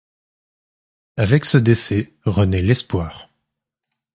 Avec ce décès renaît l'espoir.